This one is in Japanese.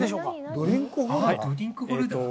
ドリンクホルダー？